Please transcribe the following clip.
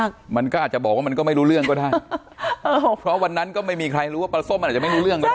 ก็ไม่รู้เรื่องก็ได้เพราะวันนั้นก็ไม่มีใครรู้ว่าปลาส้มอาจจะไม่รู้เรื่อง